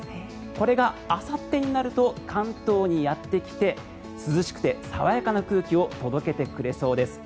これがあさってになると関東にやってきて涼しくて爽やかな空気を届けてくれそうです。